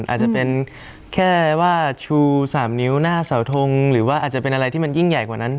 อาจจะเป็นแค่ว่าชู๓นิ้วหน้าเสาทงหรือว่าอาจจะเป็นอะไรที่มันยิ่งใหญ่กว่านั้น